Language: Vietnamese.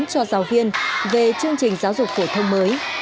cho giáo viên về chương trình giáo dục phổ thông mới